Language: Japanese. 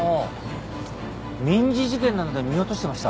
民事事件なので見落としてました。